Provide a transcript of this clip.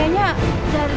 baunya kayak banget